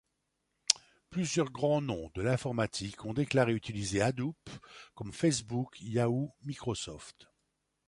Plusieurs grands noms de l'informatique ont déclaré utiliser Hadoop, comme Facebook, Yahoo, Microsoft.